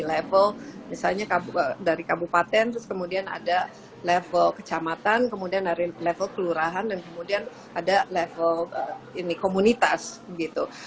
level misalnya dari kabupaten terus kemudian ada level kecamatan kemudian dari level kelurahan dan kemudian ada level komunitas gitu